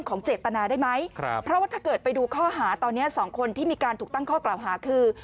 ตอนนี้สองคนที่มีการถูกตั้งข้อกล่าวหาคือ